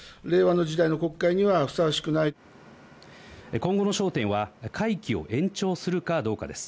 今後の焦点は会期を延長するかどうかです。